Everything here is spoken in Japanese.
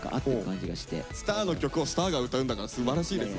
スターの曲をスターが歌うんだからすばらしいです。